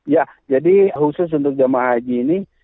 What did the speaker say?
ya jadi khusus untuk jemaah haji ini